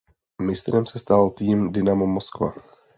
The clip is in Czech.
Mistrem se stal tým Dynamo Moskva.